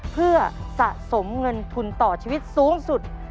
เพื่อสะสมเงินทุนต่อชีวิตสูงสุด